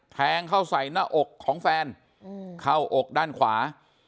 แทงเข้าใส่หน้าอกของแฟนเข้าอกด้านขวา